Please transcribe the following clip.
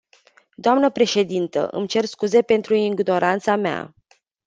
Doamnă președintă, îmi cer scuze pentru ignoranța mea.